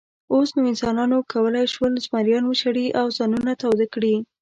اوس نو انسانانو کولی شول، زمریان وشړي او ځانونه تاوده کړي.